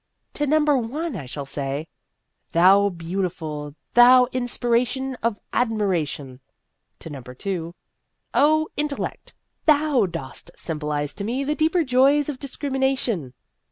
To number one I shall say, ' Thou Beautiful ! thou inspiration of admiration !' To number two, ' O Intellect ! thou dost sym bolize to me the deeper joys of discrimi nation